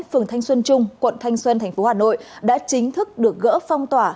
phường thanh xuân trung quận thanh xuân tp hà nội đã chính thức được gỡ phong tỏa